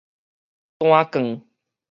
單槓